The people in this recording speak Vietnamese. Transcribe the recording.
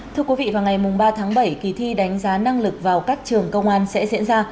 thưa quý vị vào ngày ba tháng bảy kỳ thi đánh giá năng lực vào các trường công an sẽ diễn ra